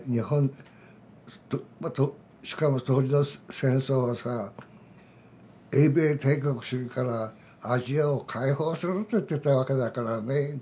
しかも当時の戦争はさ英米帝国主義からアジアを解放すると言ってたわけだからね。